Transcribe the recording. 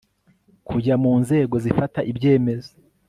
kujya mu nzego zifata ibyemezo